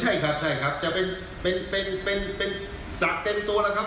ใช่ครับใช่ครับจะเป็นเป็นเป็นเป็นเป็นสักเต็มตัวละครับ